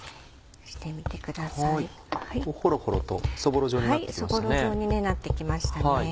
そぼろ状になってきましたね。